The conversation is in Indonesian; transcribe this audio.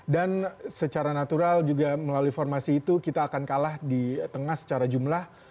dan secara natural juga melalui formasi itu kita akan kalah di tengah secara jumlah